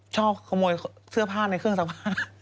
ชอบขโมยเสื้อผ้าในเครื่องซักผ้า